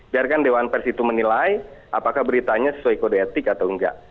biarkan dewan pers itu menilai apakah beritanya sesuai kode etik atau enggak